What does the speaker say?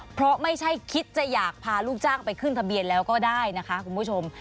เพราะไม่ใช่คิดจะอยากพาลูกจ้างไปขึ้นทะเบียนแล้วก็ได้นะคะคุณผู้ชม